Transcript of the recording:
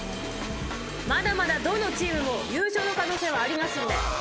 まだまだどのチームも優勝の可能性はありますんで。